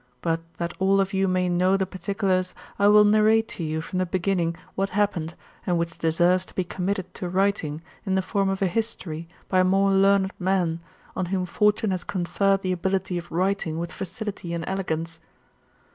But, that all of you may know the particulars, I will narrate to you from the beginning what happened, and which deserves to be committed to writing, in the form of a history, by more learned men, on whom Fortune has conferred the ability of writing with facility and elegance.